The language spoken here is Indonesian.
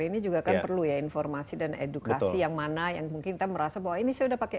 ini juga kan perlu ya informasi dan edukasi yang mana yang mungkin kita merasa bahwa ini saya udah pakai